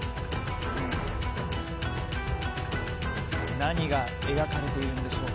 何が描かれているでしょうか。